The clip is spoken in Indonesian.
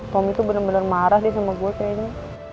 tommy tuh bener bener marah sih sama gue kayaknya